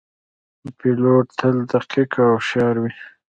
پیلوټ تل دقیق او هوښیار وي.